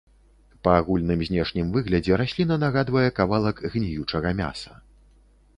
Па агульным знешнім выглядзе расліна нагадвае кавалак гніючага мяса.